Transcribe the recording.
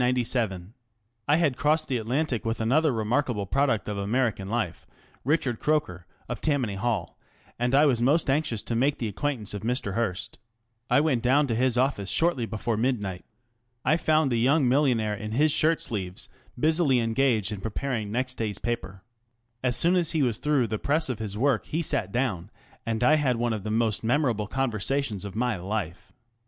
I had crossed the Atlantic with another remarkable product of American life ŌĆö Richard Croker, of Tam many Hall ŌĆö and I was most anxious to make the acquaintance of Mr. Hearst. I went down to his office shortly before midnight. I found the young millionaire in his shirt sleeves busily engaged in pre 332 The Review of Reviews. paring next day's paper. As soon as he was through the press of his work he sat down, and I had one of the most memorable conversations of my life.